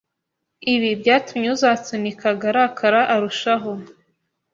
Ibi byatumye uzansunikaga arakara arushaho,